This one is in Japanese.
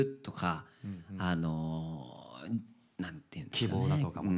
希望だとかもね。